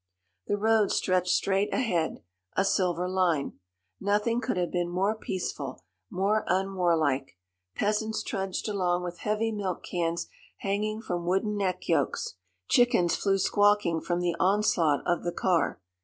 The road stretched straight ahead, a silver line. Nothing could have been more peaceful, more unwar like. Peasants trudged along with heavy milk cans hanging from wooden neck yokes, chickens flew squawking from the onslaught of the car.